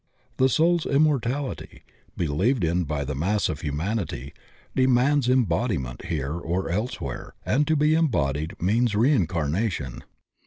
The soul's immortaUty— believed in by the mass of humanity demands embodiment here or elsewhere, and to be embodied means reincarnation.